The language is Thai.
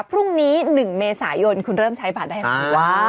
พรุ่งนี้๑เมษายนคุณเริ่มใช้บัตรได้ไหม